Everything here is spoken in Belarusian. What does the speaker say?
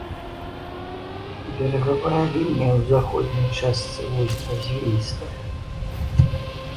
Берагавая лінія ў заходняй частцы возера звілістая.